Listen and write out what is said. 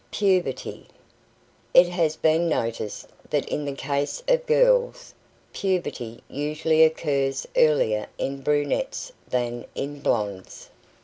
PUBERTY It has been noticed that in the case of girls, puberty usually occurs earlier in brunettes than in blondes.